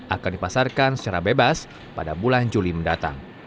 akan dipasarkan secara bebas pada bulan juli mendatang